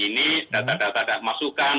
ini data data masukan